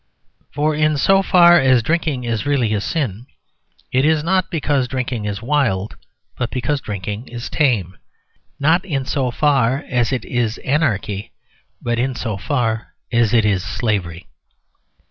For in so far as drinking is really a sin it is not because drinking is wild, but because drinking is tame; not in so far as it is anarchy, but in so far as it is slavery.